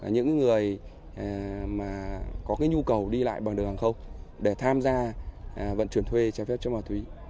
những người mà có nhu cầu đi lại bằng đường hàng không để tham gia vận chuyển thuê trái phép chất ma túy